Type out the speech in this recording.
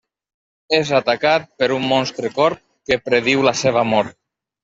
És atacat per un monstre corb que prediu la seva mort.